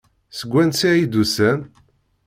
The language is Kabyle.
Seg wansi ay d-usan?